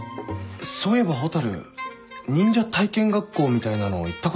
そういえば蛍忍者体験学校みたいなの行ったことあるって言ってたな。